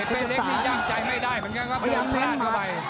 เล็กนี่ย่างใจไม่ได้เหมือนกันครับพยายามลาดเข้าไป